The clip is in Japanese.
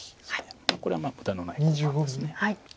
これは無駄のない交換です。